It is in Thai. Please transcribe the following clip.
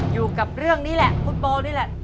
อยู่กับเรื่องนี้แหละคุณโบนี่แหละ